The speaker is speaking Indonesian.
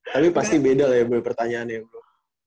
tapi pasti beda lah ya pertanyaannya